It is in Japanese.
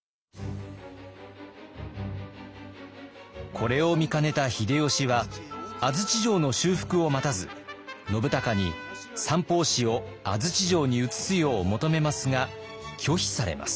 これを見かねた秀吉は安土城の修復を待たず信孝に三法師を安土城に移すよう求めますが拒否されます。